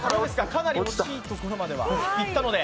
かなり惜しいところまではいったので。